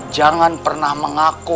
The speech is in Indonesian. jangan pernah mengaku